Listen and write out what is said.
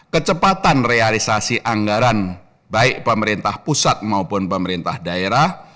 kecepatan realisasi anggaran baik pemerintah pusat maupun pemerintah daerah